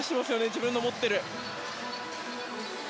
自分の持っている。